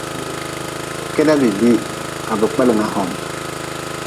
Keda bi bii ka bi kpelnga hom.